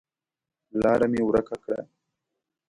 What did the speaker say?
لاره مې ورکه کړه